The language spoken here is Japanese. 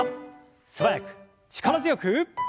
素早く力強く！